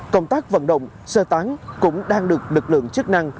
công tác vận động sơ tán cũng đang được lực lượng chức năng